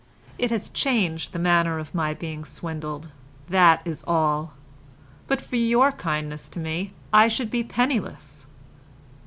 It has changed the manner of my being swindled, that is all. But for your kindness to me I should be penniless.